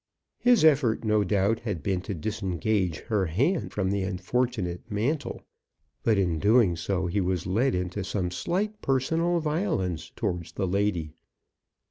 His effort, no doubt, had been to disengage her hand from the unfortunate mantle; but in doing so, he was led into some slight personal violence towards the lady.